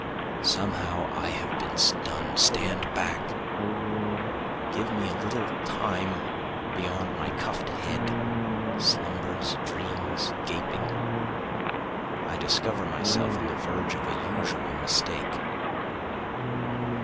Somehow I have been stunn'd. Stand back! Give me a little time beyond my cuff'd head, slumbers, dreams, gaping, I discover myself on the verge of a usual mistake.